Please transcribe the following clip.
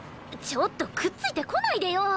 ちょっとくっついてこないでよ！